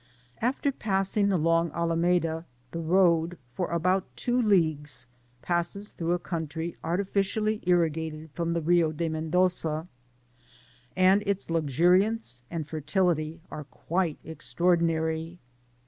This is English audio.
After passing the long Alameda, the road, for about two leagues, passes through a country artifi * dally irrigated from the Rio de Mendoza, and its luxuriance and fertility are quite extraordinary.